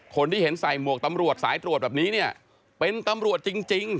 คนที่เห็นใส่หมวกตำรวจสายตรวจแบบนี้เนี่ยเป็นตำรวจจริง